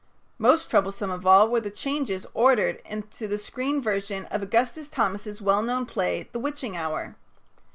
Most troublesome of all were the changes ordered into the screen version of Augustus Thomas's well known play "The Witching Hour."